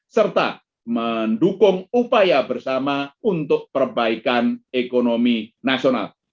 serta mendukung upaya bersama untuk perbaikan ekonomi nasional